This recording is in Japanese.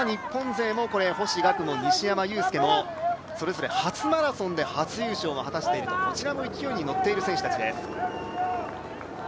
日本勢、星岳も西山雄介もそれぞれ初マラソンで初優勝を果たしているとこちらも勢いに乗っている選手たちです。